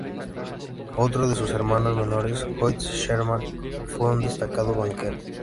Otro de sus hermanos menores, Hoyt Sherman, fue un destacado banquero.